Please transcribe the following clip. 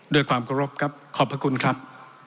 โดยความประโลภค์ขอบพระคุณครับ